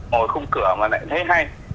ngồi khung cửa mà lại thấy hay